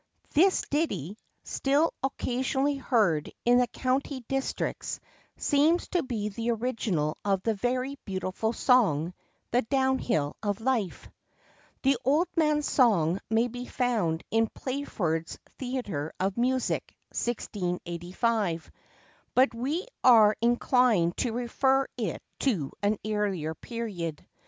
[THIS ditty, still occasionally heard in the country districts, seems to be the original of the very beautiful song, The Downhill of Life. The Old Man's Song may be found in Playford's Theatre of Music, 1685; but we are inclined to refer it to an earlier period.